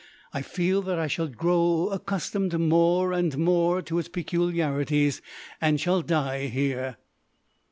I feel that I shall grow accustomed more and more to its peculiarities, and shall die here.